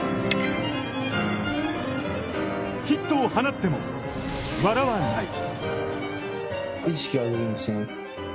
ヒットを放っても、笑わない。